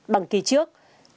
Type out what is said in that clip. bằng kỳ trước